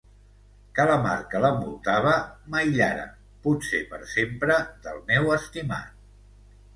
Que la mar que l'envoltava m'aïllara, potser per sempre, del meu estimat.